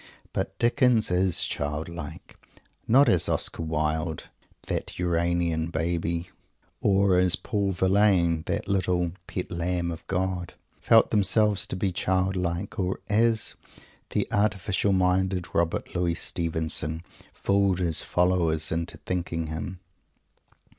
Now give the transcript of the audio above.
But Dickens is childlike, not as Oscar Wilde that Uranian Baby or as Paul Verlaine that little "pet lamb" of God felt themselves to be childlike, or as the artificial minded Robert Louis Stevenson fooled his followers into thinking him.